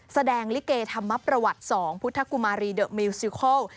แสดงลิเกธรรมประวัติ๒พุทธกุมารีเดอะมิวซิโคล